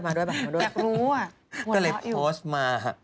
แบบรู้อ่ะก็เลยโพสต์มา